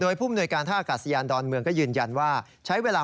โดยผู้อำนวยการท่ากาศยานดอลเมืองก็ยืนยันว่า